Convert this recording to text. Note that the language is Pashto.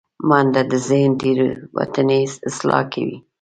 منډه د ذهن تیروتنې اصلاح کوي